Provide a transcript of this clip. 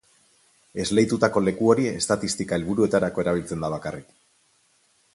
Esleitutako leku hori estatistika helburuetarako erabiltzen da bakarrik.